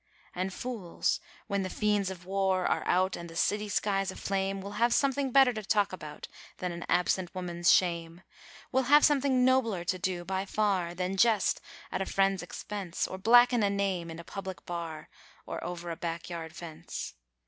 And fools, when the fiends of war are out and the city skies aflame, Will have something better to talk about than an absent woman's shame, Will have something nobler to do by far than jest at a friend's expense, Or blacken a name in a public bar or over a backyard fence.